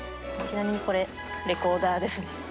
ちなみにこれ、レコーダーですね。